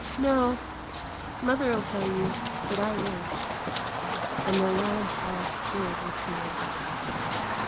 " No. Mother'll tell you, but I won't ;" and the lad's eyes filled with tears.